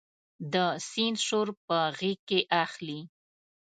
د سیند شور په غیږ کې اخلي